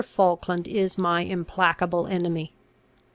Falkland is my implacable enemy.